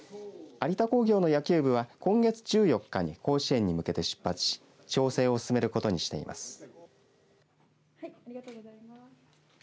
有田工業の野球部は今月１４日に甲子園に向けて出発し調整を進めることにしています。